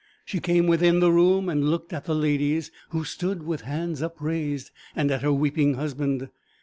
She came within the room, and looked at the ladies, who stood with hands upraised, and at her weeping husband.